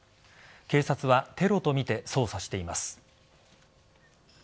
警察はテロとみて捜査しています。